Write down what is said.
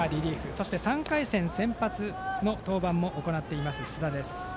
そして３回戦先発の登板も行っている須田。